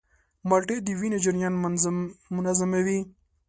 مالټې د وینې جریان منظموي.